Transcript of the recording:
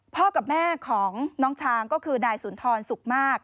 กับแม่ของน้องช้างก็คือนายสุนทรสุขมาก